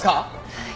はい。